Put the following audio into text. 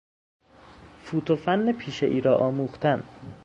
فوت و فن پیشهای را آموختن